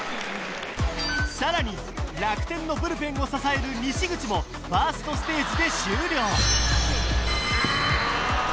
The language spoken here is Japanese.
更に楽天のブルペンを支える西口もファーストステージで終了ああ！